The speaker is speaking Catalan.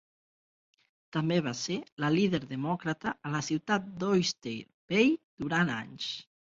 També va ser la líder demòcrata a la ciutat d'Oyster Bay durant anys.